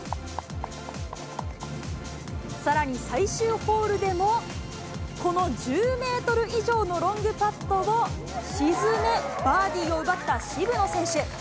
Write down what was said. さらに最終ホールでも、この１０メートル以上のロングパットを沈め、バーディーを奪った渋野選手。